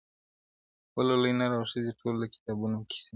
ولولئ نر او ښځي ټول د کتابونو کیسې,